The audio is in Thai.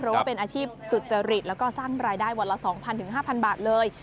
เพราะว่าเป็นอาชีพสุจริตแล้วก็สร้างรายได้วันละ๒๐๐๕๐๐บาทเลย